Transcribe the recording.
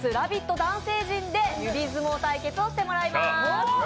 男性陣で指相撲対決をしてもらいます。